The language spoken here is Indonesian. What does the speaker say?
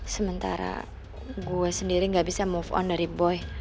sementara gue sendiri gak bisa move on dari boy